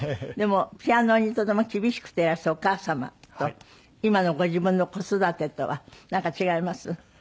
でもピアノにとても厳しくていらしたお母様と今のご自分の子育てとはなんか違います？